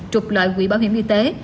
trục loại quỹ bảo hiểm y tế